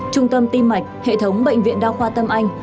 trung tâm tim mạch hệ thống bệnh viện đa khoa tâm anh